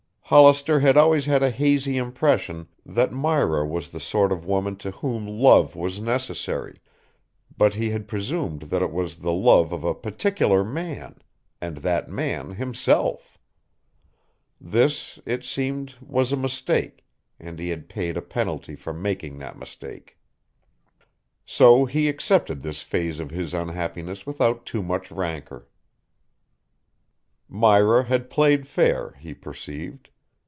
Hollister had always had a hazy impression that Myra was the sort of woman to whom love was necessary, but he had presumed that it was the love of a particular man, and that man himself. This, it seemed, was a mistake, and he had paid a penalty for making that mistake. So he accepted this phase of his unhappiness without too much rancor. Myra had played fair, he perceived.